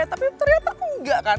tapi ternyata enggak kan